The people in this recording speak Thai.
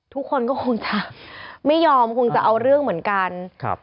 ทุกคนก็คงจะไม่ยอมคงจะเอาเรื่องเหมือนกันครับ